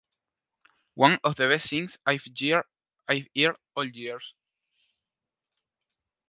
One of the best things I’ve heard all year.